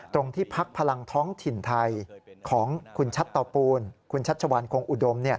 ที่พักพลังท้องถิ่นไทยของคุณชัดเตาปูนคุณชัชวัลคงอุดม